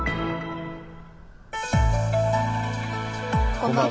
こんばんは。